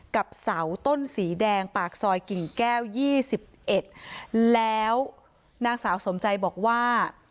กับเสาต้นสีแดงปากซอยกิ่งแก้ว๒๑แล้วนางสาวสมใจบอกว่า